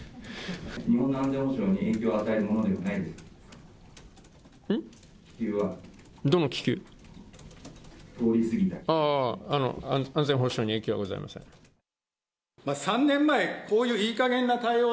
日本の安全保障に影響を与えるものではないですか？